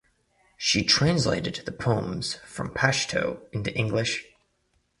She translated the poems from Pashto into English.